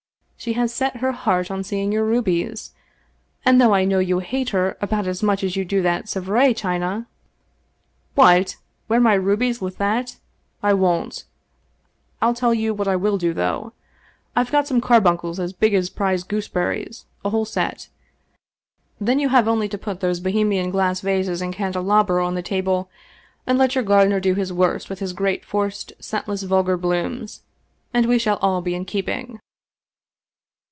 She has set her heart on seeing your rubies, and though I know you hate her about as much as you do that Sevres china "" What! Wear my rubies with that! I won't. I'll tell you what I will do, though. I've got some carbuncles as big as prize gooseberries, a whole set. Then you have only to put those Bohemian glass vases and candelabra on the table, and let your gardener do his worst with his great forced, scentless, vulgar blooms, and we shall all be in keep ing."